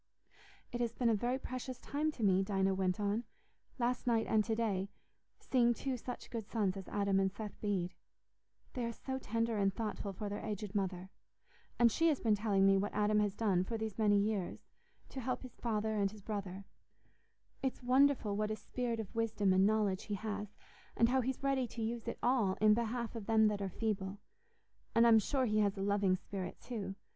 "It has been a very precious time to me," Dinah went on, "last night and to day—seeing two such good sons as Adam and Seth Bede. They are so tender and thoughtful for their aged mother. And she has been telling me what Adam has done, for these many years, to help his father and his brother; it's wonderful what a spirit of wisdom and knowledge he has, and how he's ready to use it all in behalf of them that are feeble. And I'm sure he has a loving spirit too.